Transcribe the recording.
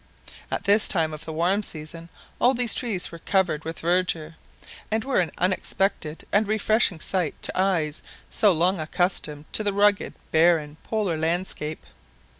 At this time of the warm season all these trees were covered with verdure, and were an unexpected and refreshing sight to eyes so long accustomed to the rugged, barren polar landscape.